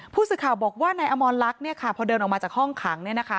ผู้สื่อข่าวบอกว่านายอมรลักษณ์พอเดินออกมาจากห้องขัง